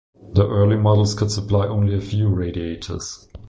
The early models could supply only a few radiators.